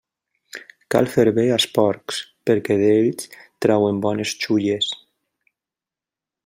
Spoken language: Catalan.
Cal fer bé als porcs, perquè d'ells trauen bones xulles.